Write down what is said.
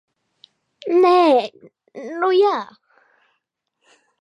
Nē, nu jā!